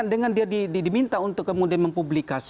iya dengan dia diminta untuk kemudian mempublikasikan dirinya